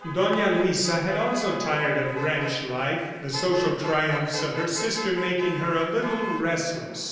Dona Luisa had also tired of ranch life, the social triumphs of her sister making her a little restless.